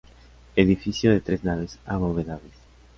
Edificio de tres naves abovedadas.